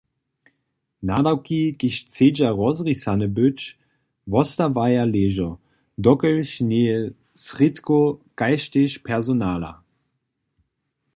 Nadawki, kiž chcedźa rozrisane być, wostawaja ležo, dokelž njeje srědkow kaž tež personala.